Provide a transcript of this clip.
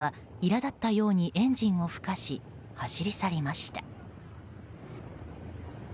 ロシアの車両は苛立ったようにエンジンをふかし走り去りました。